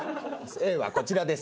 Ａはこちらです。